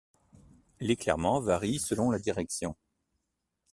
L'éclairement varie selon la direction.